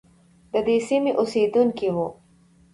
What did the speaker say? ددې سیمې اوسیدونکی وو.